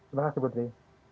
terima kasih putri